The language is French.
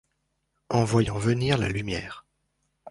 En voyant venir la lumière